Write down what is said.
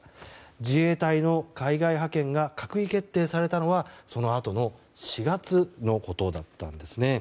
自衛隊の海外派遣が閣議決定されたのはそのあとの４月のことだったんですね。